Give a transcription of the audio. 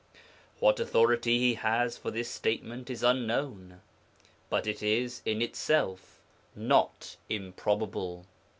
What authority he has for this statement is unknown, but it is in itself not improbable.